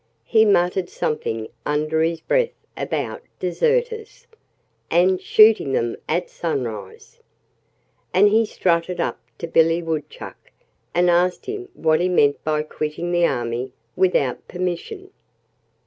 He muttered something under his breath about deserters, and shooting them at sunrise. And he strutted up to Billy Woodchuck and asked him what he meant by quitting the army without permission.